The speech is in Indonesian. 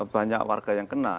banyak warga yang kena